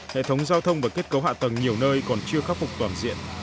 hệ thống giao thông và kết cấu hạ tầng nhiều nơi còn chưa khắc phục toàn diện